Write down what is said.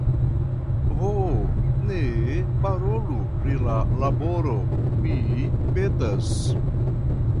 Ho, ne parolu pri la laboro, mi petas.